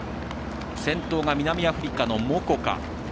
先頭が南アフリカのモコカ。